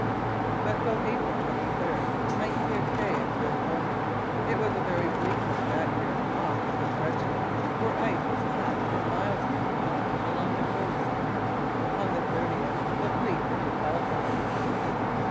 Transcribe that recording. But though April 23 might be a day of good omen, it was a very bleak one that year off Cape Breton, where ice was packed for miles and miles along the coast. On the 30th the fleet entered Halifax.